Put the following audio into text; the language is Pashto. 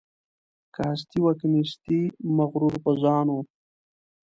که هستي وه که نیستي مغرور په ځان وو